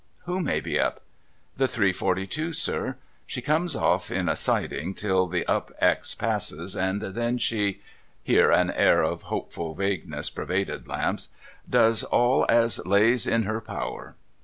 ' Who may be up ?'' The three forty two, sir. She goes off in a sidin' till the Up X passes, and then she '— here an air of hopeful vagueness pervaded Lamps —* does all as lays in her power.'